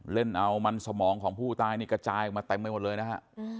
เล่นเอามันสมองของผู้ตายนี่กระจายออกมาเต็มไปหมดเลยนะฮะ